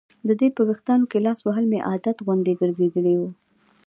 د دې په ویښتانو کې لاس وهل مې عادت غوندې ګرځېدلی و.